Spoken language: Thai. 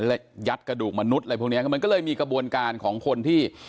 และยัดกระดูกมนุษย์อะไรพวกนี้มันก็เลยมีกระบวนการของคนที่